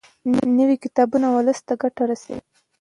نوي کتابونه ولس ته ګټه رسوي.